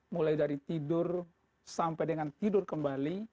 mulai dari tidur sampai dengan tidur kembali